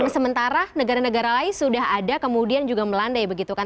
sementara negara negara lain sudah ada kemudian juga melandai begitu kan